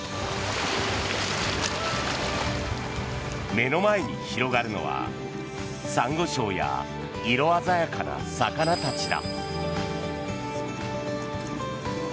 目の前に広がるのはサンゴ礁や色鮮やかな魚たちだ。